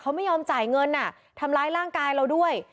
เขาไม่ยอมจ่ายเงินทำร้ายร่างกายเราด้วย